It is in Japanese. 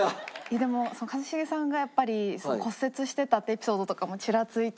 でも一茂さんがやっぱり骨折してたってエピソードとかもちらついて。